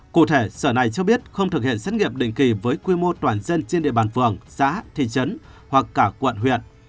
cụ thể sở này cho biết không thực hiện xét nghiệm định kỳ với quy mô toàn dân trên địa bàn phường xã thị trấn hoặc cả quận huyện